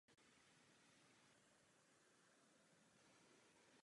Potřebujeme, aby lidé v evropských regionech měli pocit odpovědnosti.